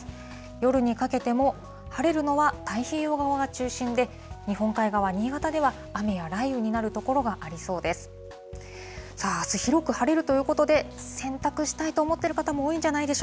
夜にかけても晴れるのは太平洋側中心で、日本海側、新潟では、雨や雷雨になる所がありそうです。